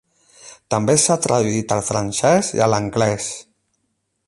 També s'ha traduït al francès i l'anglès.